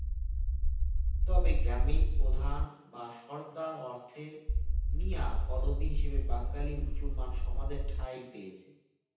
তবে গ্রামীণ প্রধান বা সর্দার অর্থের মিঞা পদবী হিসেবে বাঙালি মুসলমান সমাজে ঠাঁই পেয়েছে।